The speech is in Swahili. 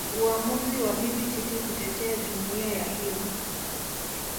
Uamuzi wa Bibi Titi kutetea jumuiya ya hiyo